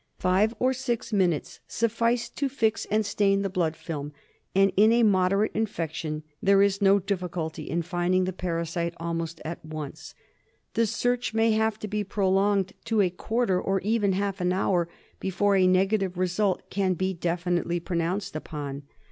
Five or six minutes suffice to fix and stain the blood film, and in a moderate infection there is no difficulty in finding the parasite almost at once. The search may have to be prolonged to a quarter or even half an hour before a negative result can be definitely pronounced upon.